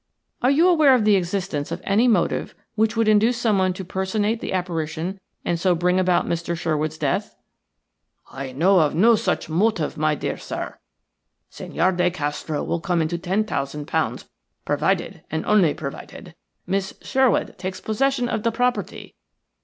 "Are you aware of the existence of any motive which would induce someone to personate the apparition and so bring about Mr. Sherwood's death?" "I know of no such motive, my dear sir. Senhor de Castro will come into ten thousand pounds provided, and only provided, Miss Sherwood takes possession of the property.